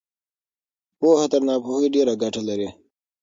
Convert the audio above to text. پوهه تر ناپوهۍ ډېره ګټه لري.